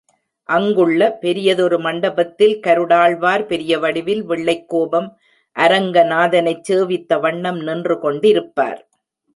அங்குள்ள பெரியதொரு மண்டபத்தில் கருடாழ்வார் பெரிய வடிவில் வெள்ளைக்கோபாம் அரங்க நாதனைச் சேவித்த வண்ணம் நின்று கொண்டிருப்பார்.